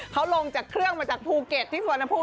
เขาลงจากเครื่องมาจากภูเก็ตที่สวนภูมิ